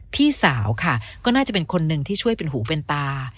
พี่สาวค่ะก็น่าจะเป็นคนหนึ่งที่ช่วยเป็นหูเป็นตา